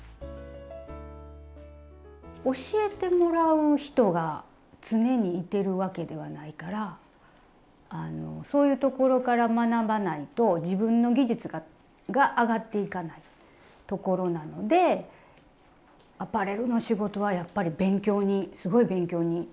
教えてもらう人が常にいてるわけではないからあのそういうところから学ばないと自分の技術が上がっていかないところなのでアパレルの仕事はやっぱり勉強にすごい勉強になる。